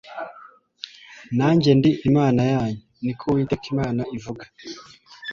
najye ndi Imana yanyu, niko Uwiteka Imana ivuga."